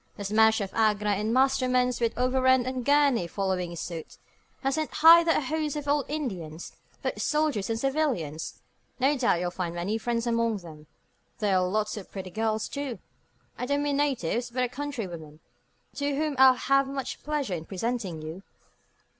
The smash of Agra and Masterman's, with Overend and Gurney following suite, has sent hither a host of old Indians, both soldiers and civilians. No doubt you'll find many friends among them. There are lots of pretty girls, too I don't mean natives, but our countrywomen to whom I'll have much pleasure in presenting you."